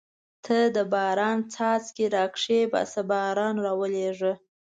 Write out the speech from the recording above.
ته د باران څاڅکي را کښېباسه باران راولېږه.